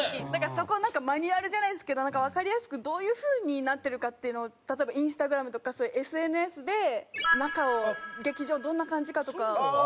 そこをマニュアルじゃないですけどわかりやすくどういう風になってるかっていうのを例えばＩｎｓｔａｇｒａｍとかそういうＳＮＳで中を劇場どんな感じかとか。